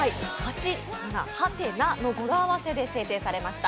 ハテナの語呂合わせで制定されました。